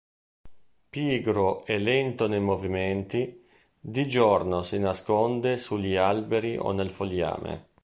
Pigro e lento nei movimenti, di giorno si nasconde sugli alberi o nel fogliame.